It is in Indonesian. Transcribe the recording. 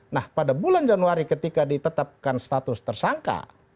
nah pada bulan januari ketika ditetapkan status tersangka